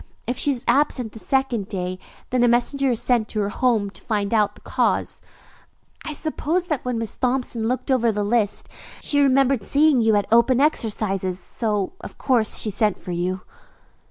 If she is absent the second day, then a messenger is sent to her home to find out the cause. I suppose that when Miss Thompson looked over the list, she remembered seeing you at opening exercises, so of course sent for you."